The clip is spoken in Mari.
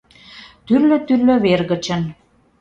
Тӱрлӧ-тӱрлӧ вер гычын